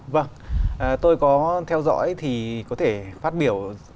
vâng tôi có theo dõi thì có thể phát biểu